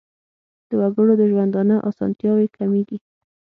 د وګړو د ژوندانه اسانتیاوې کمیږي.